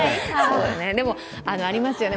でも、ありますよね